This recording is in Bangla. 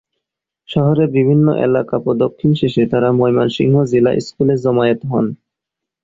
শহরের বিভিন্ন এলাকা প্রদক্ষিণ শেষে তারা ময়মনসিংহ জিলা স্কুলে জমায়েত হন।